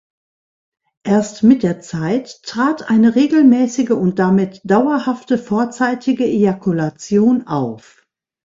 Erst mit der Zeit trat eine regelmäßige und damit dauerhafte vorzeitige Ejakulation auf.